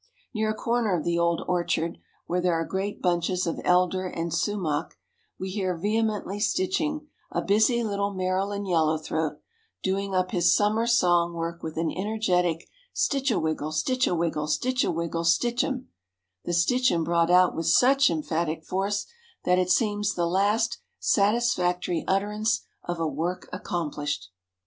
Near a corner of the old orchard where there are great bunches of Elder and Sumach, we hear vehemently stitching, a busy little Maryland yellow throat, doing up his summer song work with an energetic "Stitch a wiggle, Stitch a wiggle, Stitch a wiggle, stitch 'em," the "stitch 'em" brought out with such emphatic force that it seems the last satisfactory utterance of a work accomplished.